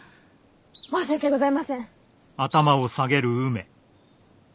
申し訳ございません。